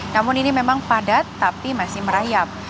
namun ini memang padat tapi masih merayap